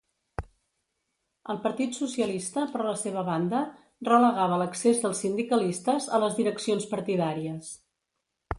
El Partit Socialista, per la seva banda, relegava l'accés dels sindicalistes a les direccions partidàries.